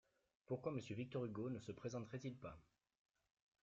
Pourquoi Monsieur Victor Hugo ne se présenterait-il pas